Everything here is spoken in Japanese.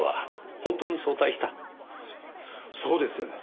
そそうです。